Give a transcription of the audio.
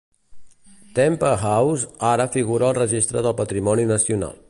Tempe House ara figura al registre del patrimoni nacional.